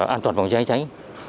an toàn bằng cháy cháy